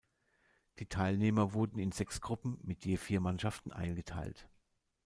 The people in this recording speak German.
Die Teilnehmer wurden in sechs Gruppen mit je vier Mannschaften eingeteilt.